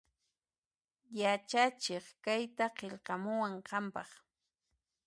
Yachachiq kayta qillqamuwan qanpaq